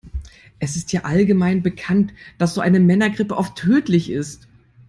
Es ist ja allgemein bekannt, dass so eine Männergrippe oft tödlich ist.